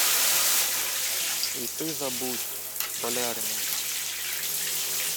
— Й ти забудь, болярине.